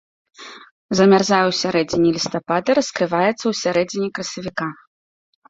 Замярзае ў сярэдзіне лістапада, раскрываецца ў сярэдзіне красавіка.